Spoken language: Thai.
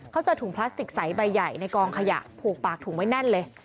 เขาจะถุงพลาสติกใบใหญ่ในกองขยะาผูกปากนั้นแน่นเลย